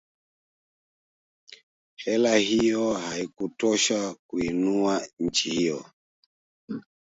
Hela hiyo haikutosha kuiinua nchi hiyo